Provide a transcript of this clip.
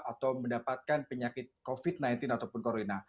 atau mendapatkan penyakit covid sembilan belas ataupun corona